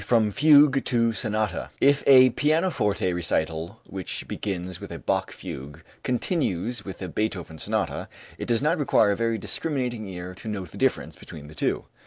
III FROM FUGUE TO SONATA If a pianoforte recital which begins with a Bach fugue continues with a Beethoven sonata, it does not require a very discriminating ear to note the difference between the two.